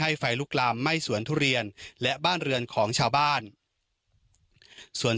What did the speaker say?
ไฟลุกลามไหม้สวนทุเรียนและบ้านเรือนของชาวบ้านส่วน